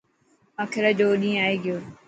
آخر اڄ او ڏينهن آي گيو.